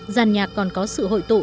giàn nhạc còn có sự hội tụ